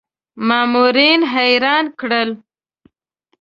مامورین حیران کړل.